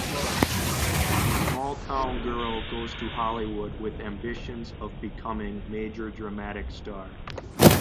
A small town girl goes to Hollywood with ambitions of becoming major dramatic star.